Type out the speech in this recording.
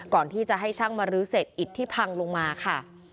ก่อนที่จะให้ช่างมาลื้อเศษอิดที่พังลงมาค่ะ